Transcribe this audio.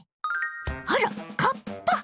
あらカッパ！